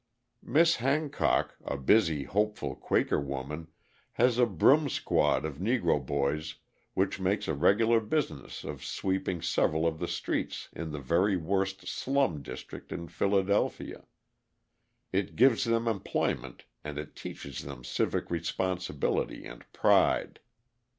Miss Hancock, a busy, hopeful Quaker woman, has a "broom squad" of Negro boys which makes a regular business of sweeping several of the streets in the very worst slum district in Philadelphia; it gives them employment and it teaches them civic responsibility and pride.